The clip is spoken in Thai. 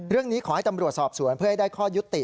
เรื่องนี้ขอให้ตำรวจสอบสวนเพื่อให้ได้ข้อยุติ